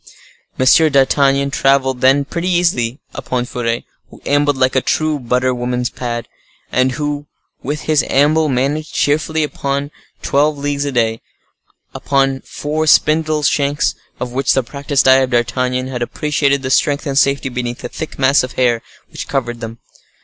Monsieur d'Artagnan traveled, then, pretty easily upon Furet, who ambled like a true butter woman's pad, and who, with his amble, managed cheerfully about twelve leagues a day, upon four spindle shanks, of which the practiced eye of D'Artagnan had appreciated the strength and safety beneath the thick mass of hair which covered them.